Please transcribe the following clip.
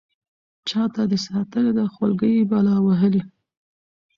نو چاته دې ساتلې ده خولكۍ بلا وهلې.